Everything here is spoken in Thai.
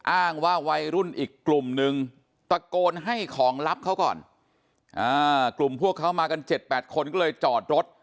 อ้างว่าวัยรุ่นอีกกลุ่มนึงตะโกนให้ของลับเขาก่อนกลุ่มพวกเขามากัน๗๘คนก็เลยจอดรถ